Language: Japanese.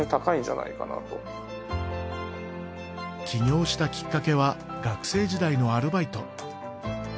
起業したきっかけは学生時代のアルバイト。